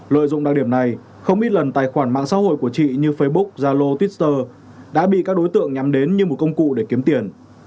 lợi dụng đặc điểm này không ít lần tài khoản mạng xã hội của chị như facebook zalo twitter đã bị các đối tượng nhắm đến như một công cụ để kiếm tiền